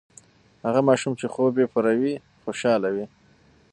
هغه ماشوم چې خوب یې پوره وي، خوشاله وي.